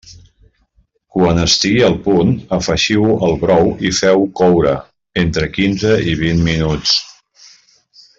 Quan estigui al punt, afegiu-ho al brou i feu-ho coure entre quinze i vint minuts.